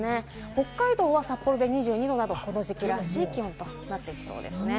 北海道は札幌で２２度など、この時期らしい気温となってきそうですね。